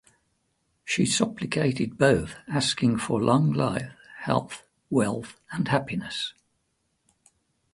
She supplicated both, asking for long life, health, wealth, and happiness.